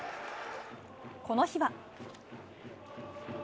この日は。